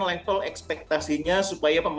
level ekspektasinya supaya